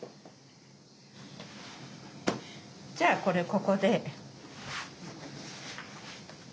じゃあこれここで。ＯＫ！